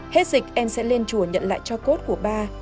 hết dịch em sẽ lên chùa nhận lại cho cốt của ba